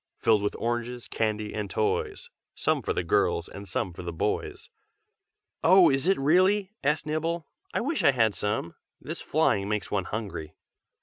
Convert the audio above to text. Filled with oranges, candy, and toys, Some for the girls and some for the boys." "Oh! is it really?" asked Nibble. "I wish I had some! this flying makes one hungry."